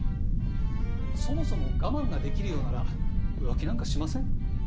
そもそも我慢ができるようなら浮気なんかしません。